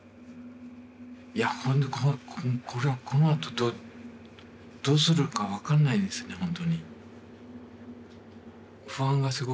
いや、このあとどうするか分かんないですね、本当に。